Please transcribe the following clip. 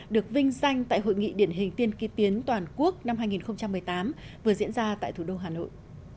được vinh danh tại hội nghị điển hình tiên ký tiến toàn quốc năm hai nghìn một mươi tám vừa diễn ra tại thủ đô hà nội